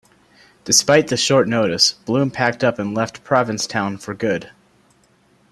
Despite the short notice, Bloom packed up and left Provincetown for good.